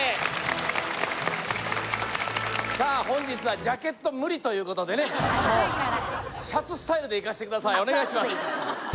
本日はジャケット無理ということでねシャツスタイルでいかせてくださいお願いします